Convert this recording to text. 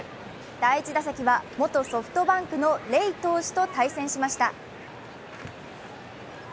第１打席は元ソフトバンクのレイ投手と対戦しました。